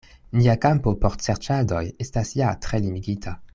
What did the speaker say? Nia kampo por serĉadoj estas ja tre limigita.